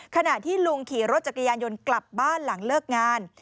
ขณะที่ลุงขี่รถจักรยานยนต์กลับบ้านหลังเลิกงาน